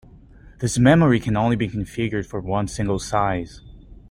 This memory can only be configured for one single size.